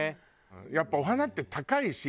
やっぱお花って高いし。